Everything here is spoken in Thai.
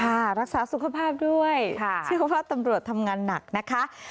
รักษาสุขภาพด้วยเชื่อว่าตำรวจทำงานหนักนะคะ